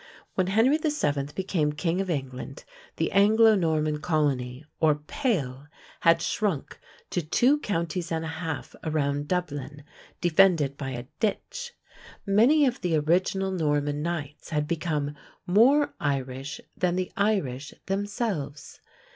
When Henry VII. became king of England the Anglo Norman colony or "Pale" had shrunk to two counties and a half around Dublin, defended by a ditch. Many of the original Norman knights had become "more Irish than the Irish themselves."